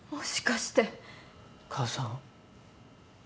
母さん。